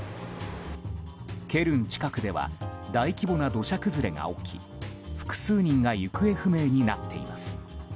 ケルン近くでは大規模な土砂崩れが起き複数人が行方不明になっています。